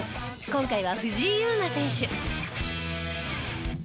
今回は藤井祐眞選手。